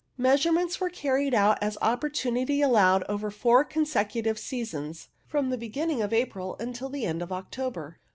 Measurements were carried out as opportunity allowed over four consecutive seasons, from the beginning of April until the end of October.